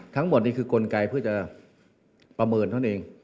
ทั้งหมดนี้คือกลไกลพื้นจะประเมินเขาเอง